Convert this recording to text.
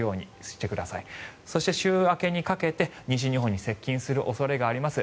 そして週明けにかけて西日本に接近する恐れがあります。